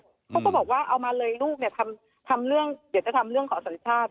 เขาก็บอกว่าเอามาเลยลูกเนี่ยทำเรื่องเดี๋ยวจะทำเรื่องขอสัญชาติ